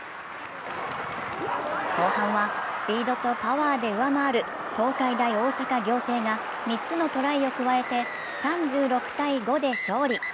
後半はスピードとパワーで上回る東海大大阪仰星が３つのトライを加えて、３６−５で勝利。